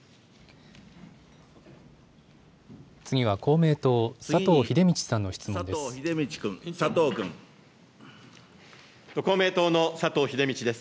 次は、公明党、佐藤英道さんの質問です。